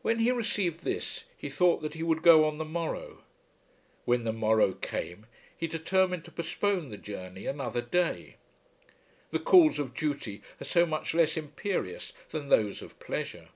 When he received this he thought that he would go on the morrow. When the morrow came he determined to postpone the journey another day! The calls of duty are so much less imperious than those of pleasure!